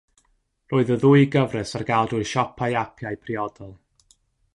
Roedd y ddwy gyfres ar gael drwy'r Siopau Apiau priodol.